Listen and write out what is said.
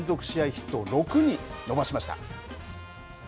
ヒットを６に伸ばしました。